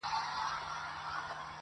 ږغ به وچ سي په کوګل کي د زاغانو٫